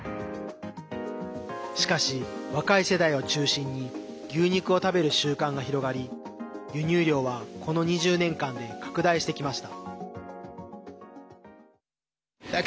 しかし、若い世代を中心に牛肉を食べる習慣が広がり輸入量は、この２０年間で拡大してきました。